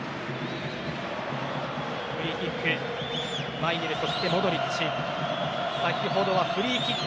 フリーキック、マイェルそしてモドリッチ。